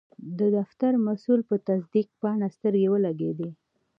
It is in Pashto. د فتر مسول په تصدیق پاڼه سترګې ولګیدې.